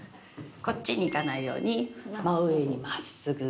こっちにいかないように真上に真っすぐ引き上げる。